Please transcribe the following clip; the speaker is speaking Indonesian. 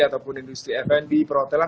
ataupun industri fn di perhotelan